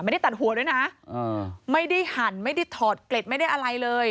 ไม่ได้ตัดหัวด้วยนะไม่ได้หั่นไม่ได้ถอดเกล็ดไม่ได้อะไรเลย